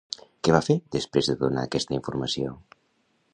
Què va fer després de donar aquesta informació?